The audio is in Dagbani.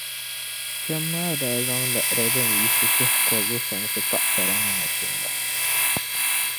Kpem maa daa zaŋ liɣiri din yiɣisi tuhi kobiga soŋsi pagisara ni nachimba.